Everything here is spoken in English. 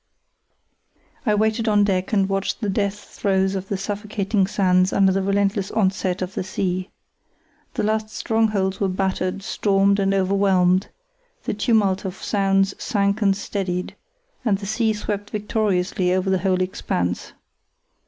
I waited on deck and watched the death throes of the suffocating sands under the relentless onset of the sea. The last strongholds were battered, stormed, and overwhelmed; the tumult of sounds sank and steadied, and the sea swept victoriously over the whole expanse.